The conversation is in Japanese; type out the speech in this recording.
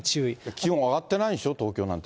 気温上がってないんでしょ、東京なんて。